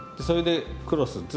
それでクロス。